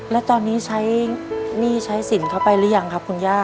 แล้วตอนนี้ใช้หนี้ใช้สินเข้าไปหรือยังครับคุณย่า